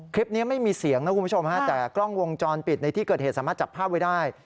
คลิปนี้ไม่มีเสียงนะคุณผู้ชมฮะแต่กล้องวงจรปิดในที่เกิดเหตุสามารถจับภาพไว้ได้